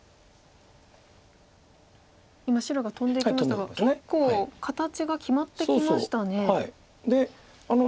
今白がトンでいきましたが結構形が決まってきましたね。